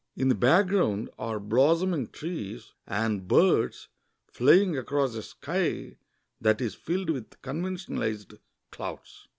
In the background are blossoming trees, and birds flying across a sky that is filled with conventionalized clouds.